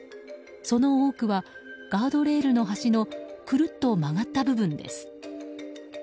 その多くはガードレールの端のくるっと曲がった部分です。